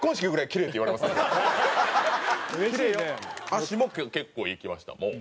脚も結構いきましたもう。